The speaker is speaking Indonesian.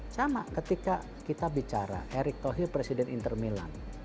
sama ketika kita bicara erick thohir presiden inter milan